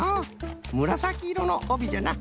むらさきいろのおびじゃな。